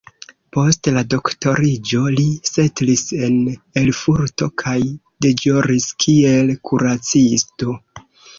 Post la doktoriĝo li setlis en Erfurto kaj deĵoris kiel kuracisto.